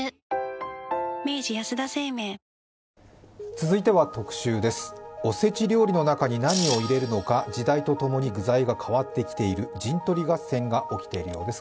続いては特集です、おせち料理の中に何を入れるのか、時代とともに具材が変わってきている、陣取り合戦が起きているようです。